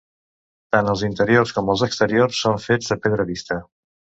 Tant els interiors com els exteriors són fets de pedra vista.